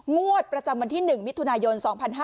งวดประจำวันที่๑มิถุนายน๒๕๕๙